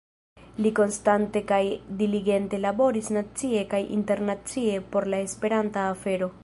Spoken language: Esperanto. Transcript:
Li konstante kaj diligente laboris nacie kaj internacie por la esperanta afero.